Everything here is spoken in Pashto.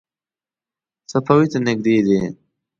صفوي ته نږدې دی.